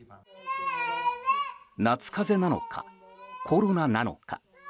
夏風邪なのか、コロナなのか。